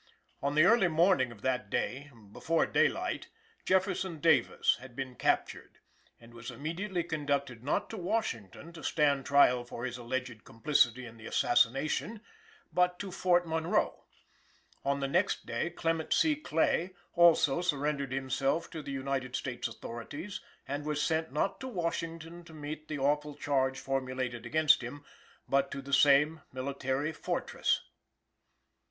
On the early morning of that day before daylight Jefferson Davis had been captured, and was immediately conducted, not to Washington to stand trial for his alleged complicity in the assassination, but to Fort Monroe. On the next day Clement C. Clay, also, surrendered himself to the United States authorities, and was sent, not to Washington to meet the awful charge formulated against him, but to the same military fortress.